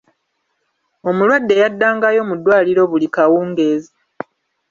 Omulwadde yaddangayo mu ddwaliro buli kawungeezi.